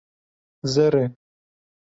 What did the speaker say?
Zer e.